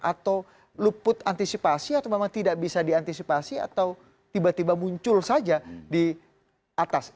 atau luput antisipasi atau memang tidak bisa diantisipasi atau tiba tiba muncul saja di atas